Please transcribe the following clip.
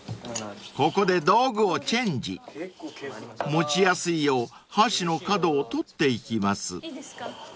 ［持ちやすいよう箸の角を取っていきます］